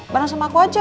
barang sama aku aja